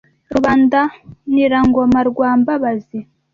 Rubandanirangoma rwa Mbabazi